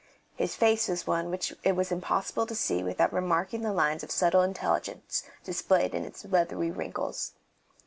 His face was one which it was impossible to see without remarking the lines of subtle intelligence displayed in its leathery wrinkles.